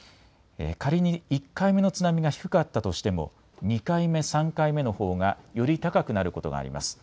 仮に１回目の津波が低かったとしても２回目、３回目のほうがより高くなることがあります。